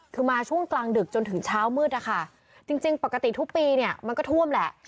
คือมาช่วงกลางดึกจนถึงเช้ามืดนะคะจริงปกติทุกปีเนี่ยมันก็ท่วมแหละ